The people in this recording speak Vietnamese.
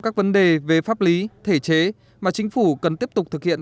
các vấn đề về pháp lý thể chế mà chính phủ cần tiếp tục thực hiện